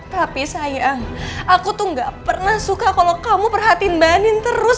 tapi sayang aku tuh gak pernah suka kalau kamu perhatiin banin terus